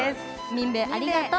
みんべぇありがとう！